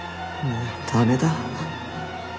もうダメだ。